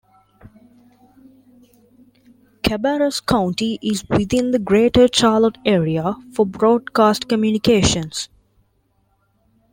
Cabarrus County is within the Greater Charlotte area for broadcast communications.